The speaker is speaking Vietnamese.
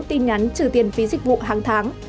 tin nhắn trừ tiền phí dịch vụ hàng tháng